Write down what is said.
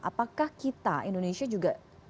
apakah kita indonesia juga